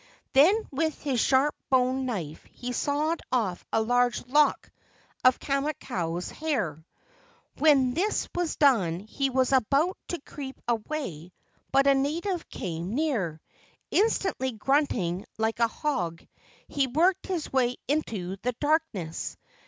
Then with his sharp bone knife he sawed off a large lock of Kamakau's hair. When this was done he was about to creep away, but a native came near. Instantly grunt¬ ing like a hog, he worked his way into the dark¬ ness.